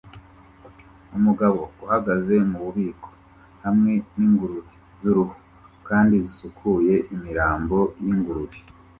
Umugabo uhagaze mububiko hamwe ningurube zuruhu kandi zisukuye imirambo yingurube